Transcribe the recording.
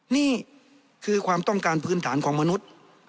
นี่คือความต้องการพื้นฐานของมนุษย์